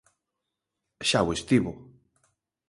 Xa o estivo.